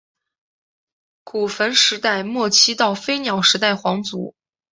古坟时代末期到飞鸟时代皇族。